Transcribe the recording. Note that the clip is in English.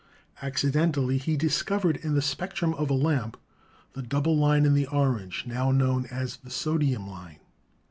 Acci dentally he discovered in the spectrum of a lamp the double line in the orange, now known as the sodium, line.